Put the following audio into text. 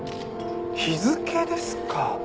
日付ですか。